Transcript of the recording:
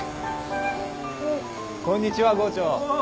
こんにちは郷長。